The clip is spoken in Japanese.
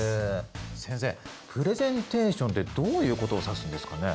先生プレゼンテーションってどういうことを指すんですかね？